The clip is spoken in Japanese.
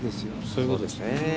そういうことですね。